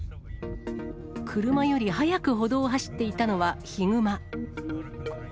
車より速く歩道を走っていたのはヒグマ。